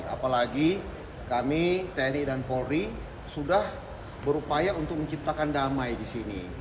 apalagi kami tni dan polri sudah berupaya untuk menciptakan damai di sini